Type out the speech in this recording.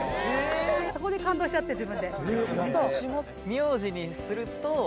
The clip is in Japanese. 「そこで感動しちゃって自分で」